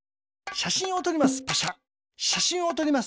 しゃしんをとります。